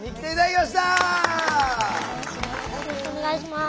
よろしくお願いします。